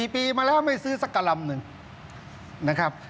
๔ปีมาแล้วไม่ซื้อสักกะลำหนึ่งนะครับ